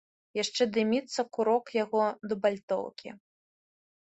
Яшчэ дыміцца курок яго дубальтоўкі.